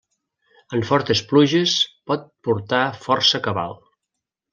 En fortes pluges pot portar força cabal.